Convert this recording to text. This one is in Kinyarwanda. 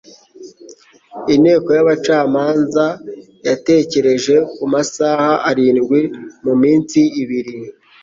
Inteko y'abacamanza yatekereje ku masaha arindwi mu minsi ibiri